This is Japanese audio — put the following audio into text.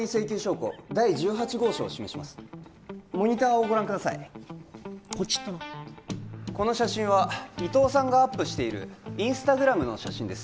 ポチッとなこの写真は伊藤さんがアップしているインスタグラムの写真です